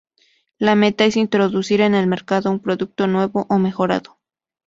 La meta es introducir en el mercado un producto nuevo o mejorado.